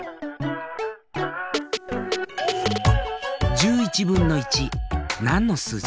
１１分の１。何の数字？